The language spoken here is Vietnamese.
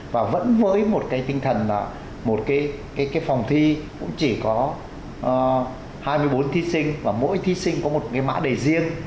và vẫn với một cái tinh thần là một cái phòng thi cũng chỉ có hai mươi bốn thí sinh và mỗi thí sinh có một cái mã đề riêng